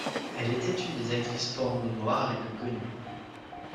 Elle est une des actrices porno noires les plus connues.